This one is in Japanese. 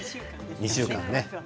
２週間ね。